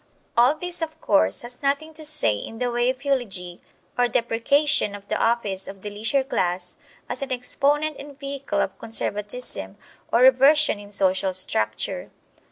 All this, of course, has nothing to say in the way of eulogy or deprecation of the office of the leisure class as an exponent and vehicle of conservatism or reversion in social structure.